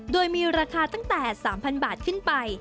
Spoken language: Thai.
โดยมีราคาตั้งแต่๓๐๐บาทขึ้นไป